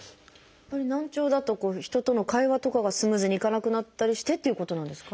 やっぱり難聴だと人との会話とかがスムーズにいかなくなったりしてっていうことなんですか？